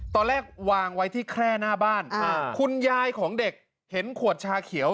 ตอนแรกวางไว้ที่แคร่หน้าบ้านคุณยายของเด็กเห็นขวดชาเขียว